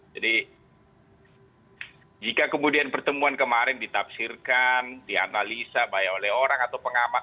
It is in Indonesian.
jadi jika kemudian pertemuan kemarin ditafsirkan dianalisa oleh orang atau pengamak